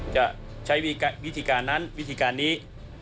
จะใช้วิธีการนั้นวิธีการนี้